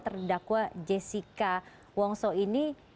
terdakwa jessica wongso ini